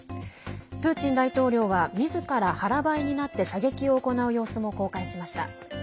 プーチン大統領はみずから腹ばいになって射撃を行う様子も公開しました。